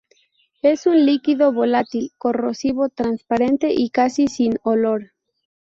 Es un líquido volátil, corrosivo, transparente y casi sin olor.